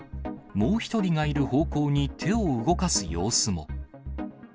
もう１人がいる方向に手を動かす様子も。